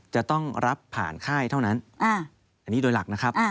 จะต้องรับผ่านค่ายเท่านั้นอันนี้โดยหลักนะครับ